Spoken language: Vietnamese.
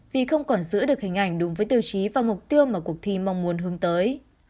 vì không còn giữ được hình ảnh đúng với tiêu chí và mục tiêu mà cuộc thi mong muốn hướng tới